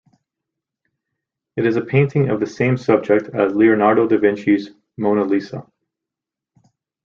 It is a painting of the same subject as Leonardo da Vinci's Mona Lisa.